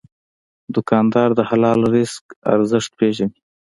دوکاندار د حلال رزق ارزښت پېژني.